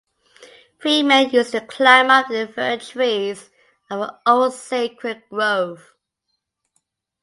Three men used to climb up the fir-trees of an old sacred grove.